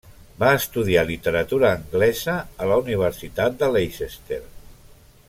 Va estudiar Literatura Anglesa a la Universitat de Leicester.